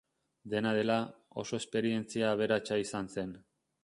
Dena dela, oso esperientzia aberatsa izan zen.